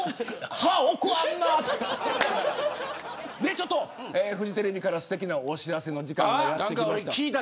ちょっとフジテレビからすてきなお知らせの時間がやってきました。